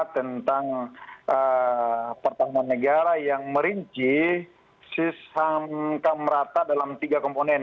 tentang pertahanan negara yang merinci ham merata dalam tiga komponen